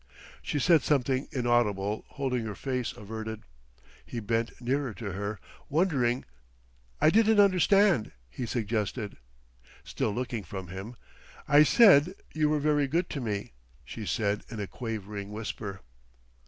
She said something inaudible, holding her face averted. He bent nearer to her, wondering. "I didn't understand," he suggested. Still looking from him, "I said you were very good to me," she said in a quavering whisper.